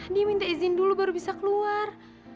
dia minta izin dulu baru bisa keluar